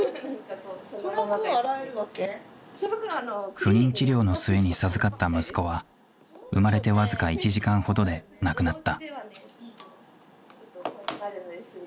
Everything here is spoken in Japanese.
不妊治療の末に授かった息子は生まれて僅か１時間ほどで亡くなった。